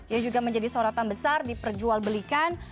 yang juga menjadi sorotan besar diperjual belikan